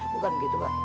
bukan gitu pak